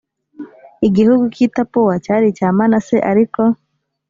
igihugu cy i tapuwa cyari icya manase ariko